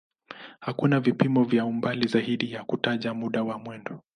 Hakuna vipimo vya umbali zaidi ya kutaja muda wa mwendo.